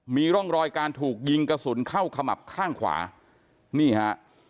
มีร่องรอยการถูกยิงกระสุนเข้าขมับข้างขวานี่ฮะ